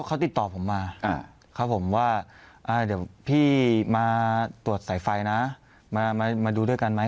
เขาติดต่อผมมาครับผมว่าเดี๋ยวพี่มาตรวจสายไฟนะมาดูด้วยกันไหม